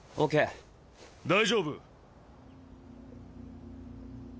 大丈夫。